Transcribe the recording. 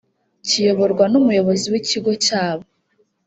kiyoborwa n’umuyobozi w’ ikigo cyabo